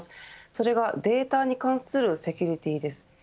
それがデータに関するセキュリティーです。